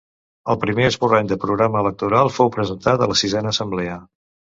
El primer esborrany de programa electoral fou presentat a la sisena assemblea.